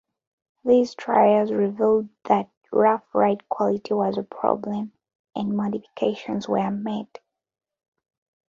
These trials revealed that rough ride quality was a problem, and modifications were made.